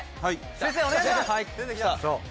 先生お願いします！